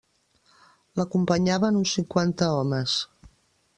L'acompanyaven uns cinquanta homes.